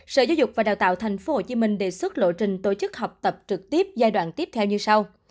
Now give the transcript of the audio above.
sở giáo dục và đào tạo tp hcm đề xuất lộ trình tổ chức học tập trực tiếp giai đoạn tiếp theo như sau